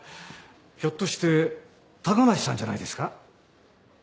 ひょっとして高梨さんじゃないですか？